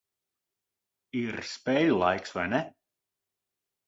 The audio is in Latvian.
Ir spēļu laiks, vai ne?